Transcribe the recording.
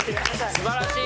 素晴らしい！